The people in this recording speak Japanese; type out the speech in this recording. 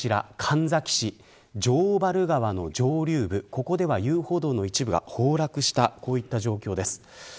またこちら神埼市城原川の上流部遊歩道の一部が崩落したこういった状況です。